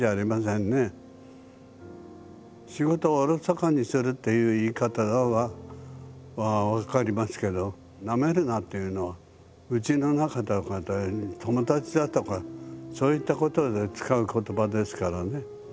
仕事をおろそかにするっていう言い方は分かりますけど「ナメるな」というのはうちの中とかで友達だとかそういったことで使うことばですからね。